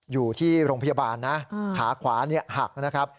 อยู่ที่โรงพยาบาลนะขาขวาหักนะครับ